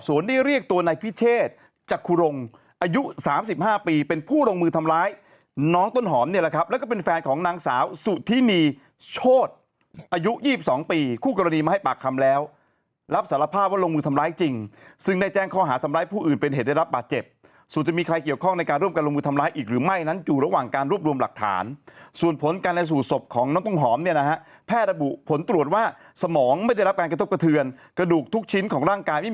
ซึ่งตอนแรกเนี่ยคุณแม่ก็คิดว่าน้องนั้นคือตาย